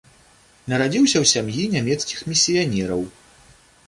Нарадзіўся ў сям'і нямецкіх місіянераў.